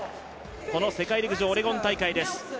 この世界陸上オレゴン大会です。